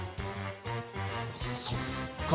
そっか。